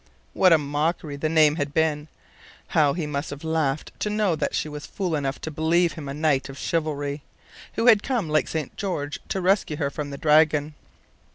What a mockery the name had been! How he must have laughed to know that she was fool enough to believe him a knight of chivalry, who had come like St. George to rescue her from the dragon!